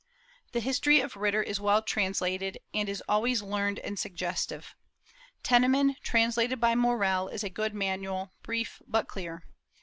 The History of Ritter is well translated, and is always learned and suggestive. Tennemann, translated by Morell, is a good manual, brief but clear.